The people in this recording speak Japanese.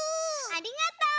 ありがとう！